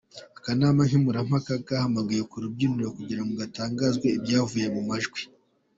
Akanama nkemurampaka gahamagawe ku rubyiniriro kugira ngo gatangaze ibyavuye mu majwi.